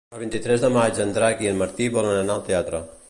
El vint-i-tres de maig en Drac i en Martí volen anar al teatre.